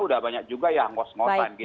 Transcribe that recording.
sudah banyak juga ya kosmosan